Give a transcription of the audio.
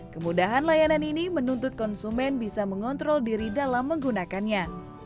kemudahan layanan ini menuntut konsumen bisa mengontrol diri dalam menggunakannya